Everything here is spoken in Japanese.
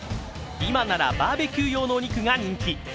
今ならバーベキュー用のお肉が人気。